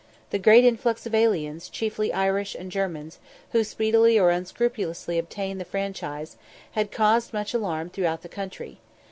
The great influx of aliens, chiefly Irish and Germans, who speedily or unscrupulously obtain the franchise, had caused much alarm throughout the country.